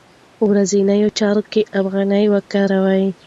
په ورځنیو چارو کې افغانۍ وکاروئ.